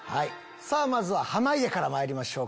まずは濱家からまいりましょう。